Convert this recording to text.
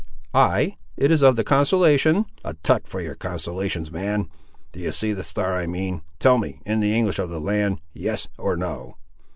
"Ay, it is of the constellation— " "A tut for your constellations, man; do you see the star I mean? Tell me, in the English of the land, yes or no."